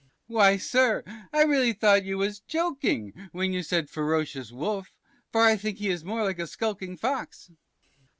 P. Why, sir, I really thought you was joking, when you said ferocious wolf, for I think he is more like a skulking Fox.